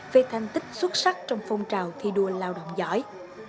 về thành tích xuất sắc trong phong trào thi đua lao động giỏi